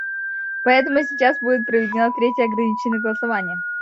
Поэтому сейчас будет проведено третье ограниченное голосование.